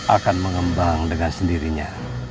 akan mengembang dengan sendirinya